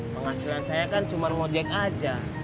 penghasilan saya kan cuma mau jack aja